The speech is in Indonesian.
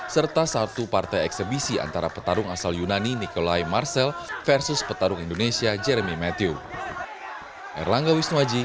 serta satu partai eksebisi antara petarung asal yunani nikolai marcel versus petarung indonesia jeremy matthew